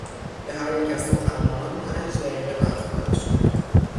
به هر یک از سخنرانان پنج دقیقه وقت داده شد.